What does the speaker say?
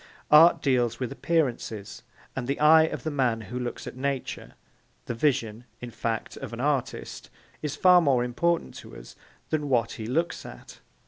Art deals with appearances, and the eye of the man who looks at Nature, the vision, in fact, of the artist, is far more important to us than what he looks at.